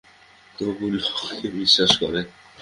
তবু লোকে বিশ্বাস করে।